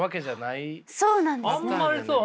あんまりそう。